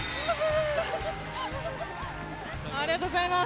ありがとうございます。